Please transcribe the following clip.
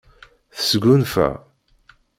Tesgunfa.